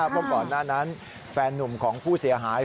เพราะก่อนหน้านั้นแฟนนุ่มของผู้เสียหาย